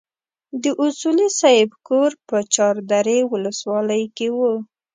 د اصولي صیب کور په چار درې ولسوالۍ کې وو.